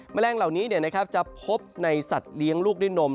แมลงเหล่านี้จะพบในสัตว์เลี้ยงลูกด้วยนม